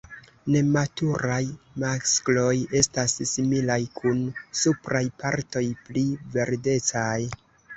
Nematuraj maskloj estas similaj kun supraj partoj pli verdecaj.